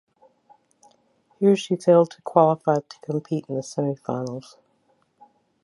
Here she failed to qualify to compete in the semifinals.